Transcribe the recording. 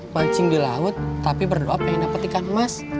mancing di laut tapi berdoa pengen dapat ikan emas